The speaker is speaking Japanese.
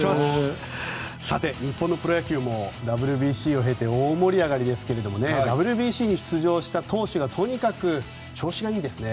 さて、日本のプロ野球もＷＢＣを経て大盛り上がりですけどＷＢＣに出場した投手がとにかく調子がいいですね。